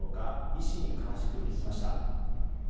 医師に詳しく聞きました。